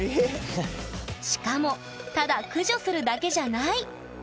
しかもただ駆除するだけじゃない！